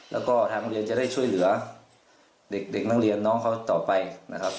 แล้วก็ทางโรงเรียนจะได้ช่วยเหลือเด็กนักเรียนน้องเขาต่อไปนะครับ